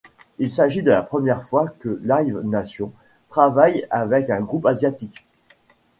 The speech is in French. Il s'agit de la première fois que Live Nation travaille avec un groupe asiatique.